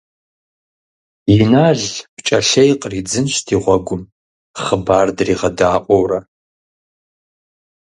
Инал пкӀэлъей къридзынщ ди гъуэгум, хъыбар дригъэдаӀуэурэ.